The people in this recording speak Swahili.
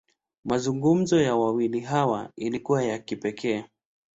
Mazungumzo ya wawili hawa, yalikuwa ya kipekee.